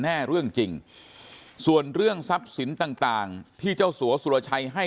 เรื่องจริงส่วนเรื่องทรัพย์สินต่างที่เจ้าสัวสุรชัยให้